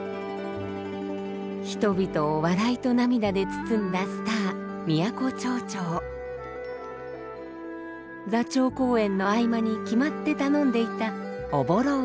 人々を笑いと涙で包んだスター座長公演の合間に決まって頼んでいた「おぼろうどん」。